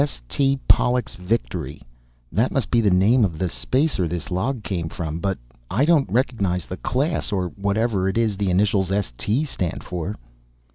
"S. T. POLLUX VICTORY that must be the name of the spacer this log came from. But I don't recognize the class, or whatever it is the initials S. T. stand for."